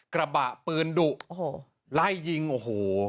กระบะปืนดุไล่ยิงโอ้โฮ